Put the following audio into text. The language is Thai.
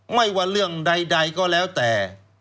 ไม่ว่าเรื่องใดก็แล้วแต่